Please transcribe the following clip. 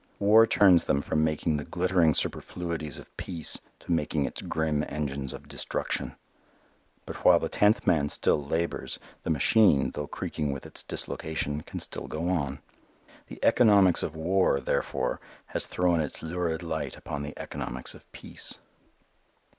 War turns them from making the glittering superfluities of peace to making its grim engines of destruction. But while the tenth man still labors, the machine, though creaking with its dislocation, can still go on. The economics of war, therefore, has thrown its lurid light upon the economics of peace.